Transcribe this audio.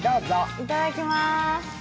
いただきまーす。